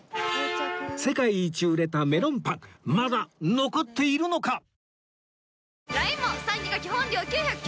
世界一売れたメロンパンまだ残っているのか！？